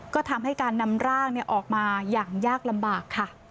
ก็ทำให้การนำร่างออกมาอย่างยากลำบากค่ะ